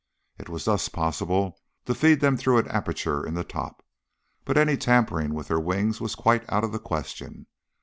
It was thus possible to feed them through an aperture in the top, but any tampering with their wings was quite out of the question.